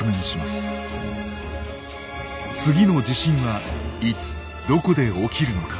次の地震はいつどこで起きるのか。